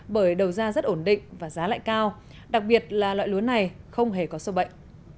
bởi đầu ra rất ổn định và giá lại cao đặc biệt là loại lúa này không hề có sâu bệnh